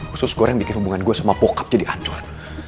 usus goreng bikin hubungan gue sama bokap jadi ancur